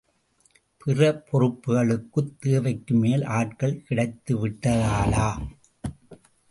பிற பொறுப்புகளுக்குத் தேவைக்குமேல் ஆட்கள் கிடைத்துவிட்டதாலா?